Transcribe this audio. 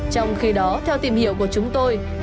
trong khi đó theo tìm hiểu của chúng tôi